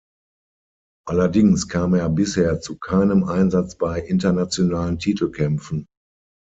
Allerdings kam er bisher zu keinem Einsatz bei internationalen Titelkämpfen.